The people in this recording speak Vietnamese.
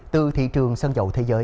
từ thị trường săn dầu thế giới